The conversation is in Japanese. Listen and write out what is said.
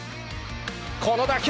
この打球。